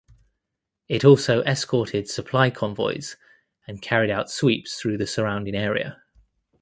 It also escorted supply convoys and carried out sweeps through the surrounding area.